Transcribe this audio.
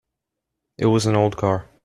It was an old car.